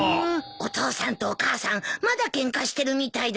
お父さんとお母さんまだケンカしてるみたいだ。